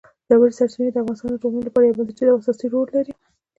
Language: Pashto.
ژورې سرچینې د افغانستان د ټولنې لپاره یو بنسټیز او اساسي رول لري.